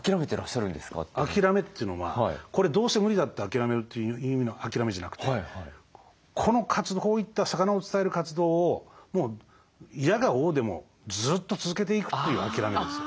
諦めというのは「これどうせ無理だ」って諦めるという意味の諦めじゃなくてこういった魚を伝える活動をもういやがおうでもずっと続けていくという諦めです。